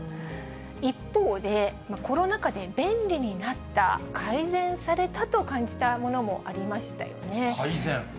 一方で、コロナ禍で便利になった、改善されたと感じたものもありましたよ改善？